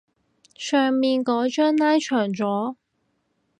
上面嗰張拉長咗